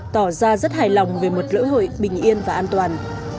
tỏ ra rất hài lòng về một lễ hội bình yên và an toàn